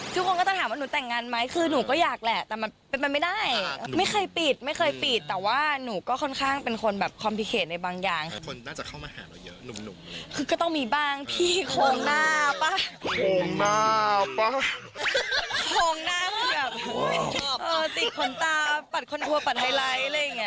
จิมนตาปัดคอนโทรปัดไฮไลท์แหละอย่างเงี้ย